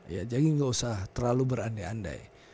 ya jadi gak usah terlalu berande ande